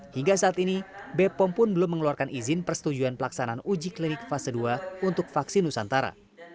hingga saat ini bepom pun belum mengeluarkan izin persetujuan pelaksanaan uji klinik fase dua untuk vaksin nusantara